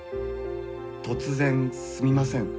「突然すみません。